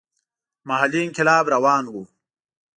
محلي انقلاب روان وو.